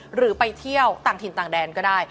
หรือไปเที่ยวต่างถิ่นต่างแดนก็ได้